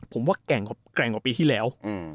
ผมว่าแกร่งกว่าปีที่แล้ว